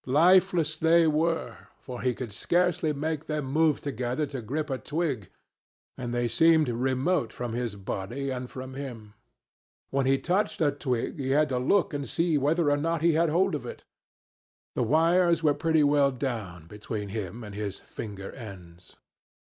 Lifeless they were, for he could scarcely make them move together to grip a twig, and they seemed remote from his body and from him. When he touched a twig, he had to look and see whether or not he had hold of it. The wires were pretty well down between him and his finger ends.